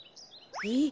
えっ？